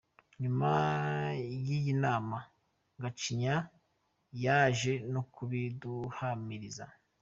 Nyuma y’iyi nama, Gacinya yaje no kubiduhamiriza.